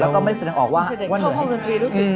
แล้วก็ไม่ได้แสดงออกว่าพระองค์ดนตรีรู้สึกทรงมีผลอีกไหม